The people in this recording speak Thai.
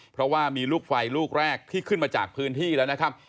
เพราะว่ามีลูกไฟลูกแรกที่ขึ้นมาจากพื้นที่แล้วนะครับ